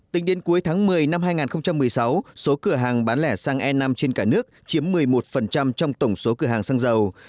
tính đến cuối tháng một mươi năm hai nghìn một mươi sáu số cửa hàng bán lẻ xăng e năm trên cả nước chiếm một mươi một trong tổng số cửa hàng xăng dầu